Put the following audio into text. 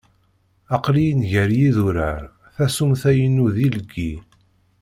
Aqel-iyi-n gar yidurar, tasumta-inu d ileggi.